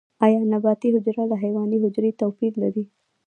ایا نباتي حجره له حیواني حجرې توپیر لري؟